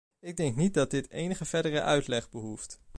Ik denk niet dat dit enige verdere uitleg behoeft.